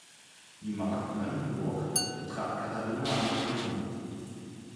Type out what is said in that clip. Die Mark Brandenburg betrat Katharina allerdings nie.